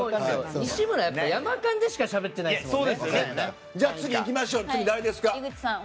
西村、山勘でしかしゃべってないですもんね。